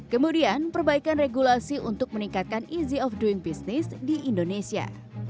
kemudian perbaikan regulasi untuk meningkatkan easy of doing business di indonesia